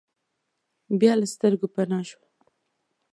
بیا له سترګو پناه شوه.